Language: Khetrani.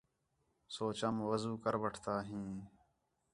سوچام وضو کر وٹھ تا ہیں